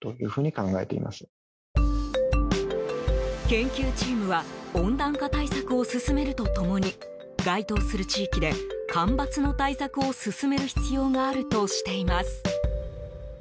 研究チームは温暖化対策を進めると共に該当する地域で、干ばつの対策を進める必要があるとしています。